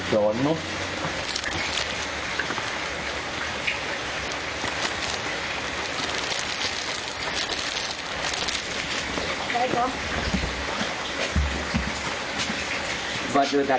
พร้อมทุกสิทธิ์